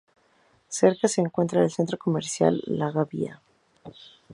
Cerca se encuentra el Centro Comercial La Gavia.